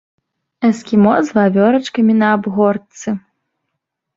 Эскімо з вавёрачкамі на абгортцы.